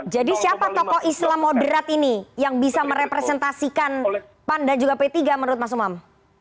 jadi siapa tokoh islam moderat ini yang bisa merepresentasikan pan dan juga p tiga menurut mas umam